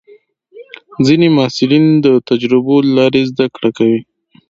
ځینې محصلین د تجربو له لارې زده کړه کوي.